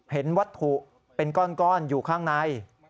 เห็นวัตถุเป็นก้อนอยู่ข้างใน